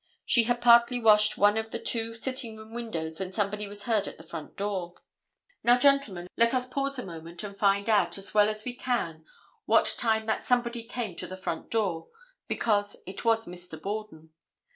She had partly washed one of the two sitting room windows when somebody was heard at the front door. Now, gentlemen, let us pause a moment and find out, as well as we can, what time that somebody came to the front door, because it was Mr. Borden.